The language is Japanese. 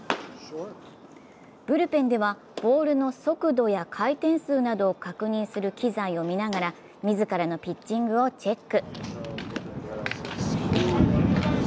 ブルペンではボールの速度や回転数などを確認する機材を見ながら自らのピッチングをチェック。